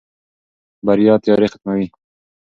بریا تیارې ختموي.